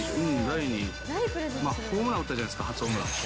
ホームラン撃ったじゃないですか、初ホームラン。